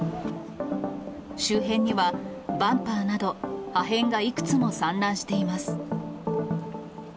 周辺には、バンパーなど破片がいくつも散乱しています。